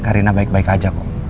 karina baik baik aja kok